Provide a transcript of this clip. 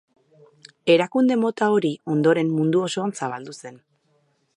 Erakunde mota hori ondoren mundu osoan zabaldu zen.